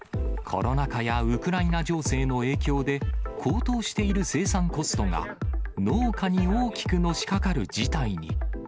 コロナ禍やウクライナ情勢の影響で、高騰している生産コストが、農家に大きくのしかかる事態に。